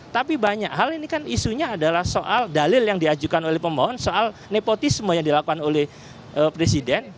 tapi banyak hal ini kan isunya adalah soal dalil yang diajukan oleh pemohon soal nepotisme yang dilakukan oleh presiden